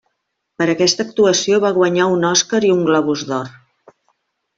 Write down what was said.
Per aquesta actuació va guanyar un Oscar i un Globus d'Or.